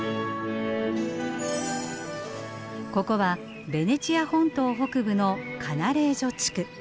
ここはベネチア本島北部のカナレージョ地区。